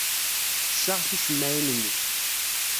Tessaɣ ticemmaɛin-nni.